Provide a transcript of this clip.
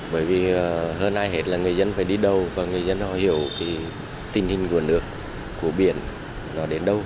bởi vì hơn ai hết là người dân phải đi đâu và người dân họ hiểu tình hình của nước của biển nó đến đâu